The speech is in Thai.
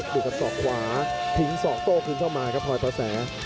ดูกับทรอกขวาถิงต้อยถึงเข้ามาครับทลอยพอแส